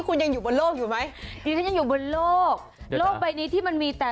คุณยังอยู่บนโลกอยู่ไหมดิฉันยังอยู่บนโลกโลกใบนี้ที่มันมีแต่